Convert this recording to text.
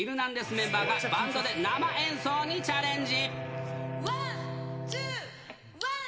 メンバーが、バンドで生演奏にチャレンジ。